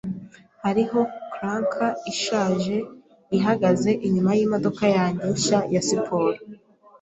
Hariho clunker ishaje ihagaze inyuma yimodoka yanjye nshya ya siporo.